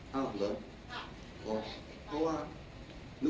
คุณท่านหวังว่าประชาธิบัติไม่ชอบมาตรา๔๔